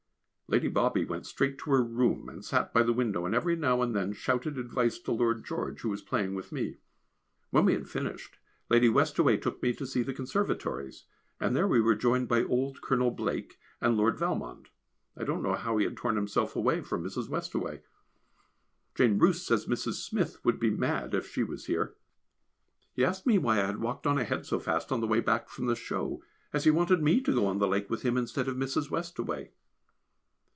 Lady Bobby went straight to her room and sat by the window, and every now and then shouted advice to Lord George who was playing with me. When we had finished, Lady Westaway took me to see the conservatories, and there we were joined by old Colonel Blake and Lord Valmond, I don't know how he had torn himself away from Mrs. Westaway! Jane Roose says Mrs. Smith would be mad if she was here. He asked me why I had walked on ahead so fast on the way back from the Show as he wanted me to go on the lake with him instead of Mrs. Westaway.